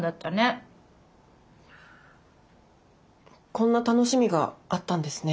こんな楽しみがあったんですね。